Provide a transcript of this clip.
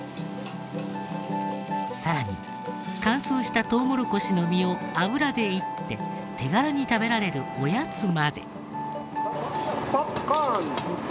さらに乾燥したトウモロコシの実を油で煎って手軽に食べられるおやつまで。